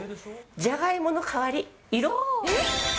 じゃがいもの代わり。